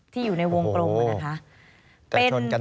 อยู่ในวงกลมนะคะ